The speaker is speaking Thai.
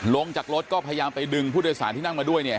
ลงจากรถก็พยายามไปดึงผู้โดยสารที่นั่งมาด้วยเนี่ย